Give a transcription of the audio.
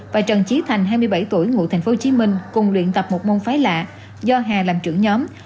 và trần trí thành hai mươi bảy tuổi ngụ thành phố hồ chí minh cùng luyện tập một môn phái lạ do hà làm trưởng nhóm